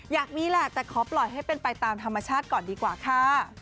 อยากมีแหละแต่ขอปล่อยให้เป็นไปตามธรรมชาติก่อนดีกว่าค่ะ